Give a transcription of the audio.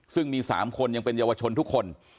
ซึ่งมี๓คนยังเป็นเยาวชนทุกคน